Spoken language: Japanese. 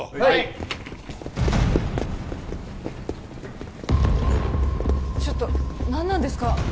はいちょっと何なんですか？